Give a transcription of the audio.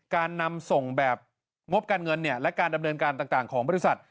การนำส่งแบบงบการเงินและการดำเนินการต่างของบริษัท